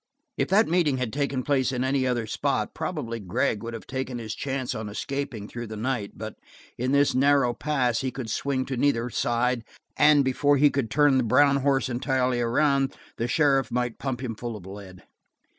If that meeting had taken place in any other spot probably Gregg would have taken his chance on escaping through the night, but in this narrow pass he could swing to neither side and before he could turn the brown horse entirely around the sheriff might pump him full of lead.